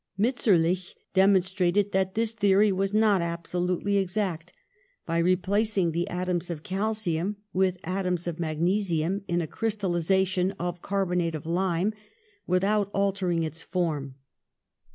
Mitscherlich demonstrated that this the ory was not absolutely exact by replacing the atoms of calcium with atoms of magnesium in a crystallization of carbonate of lime, without altering its form.